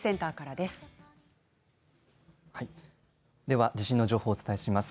では地震の情報をお伝えします。